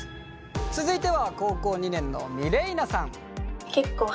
続いては高校２年のミレイナさん。